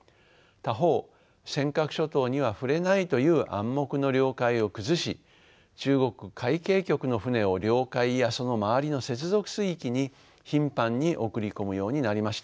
他方尖閣諸島には触れないという暗黙の了解を崩し中国海警局の船を領海やその周りの接続水域に頻繁に送り込むようになりました。